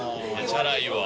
チャラいわ。